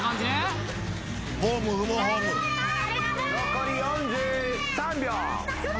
残り４３秒。